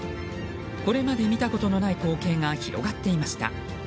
これまで見たことのない光景が広がっていました。